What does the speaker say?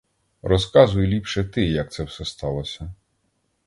Розказуй ліпше ти, як це все сталося!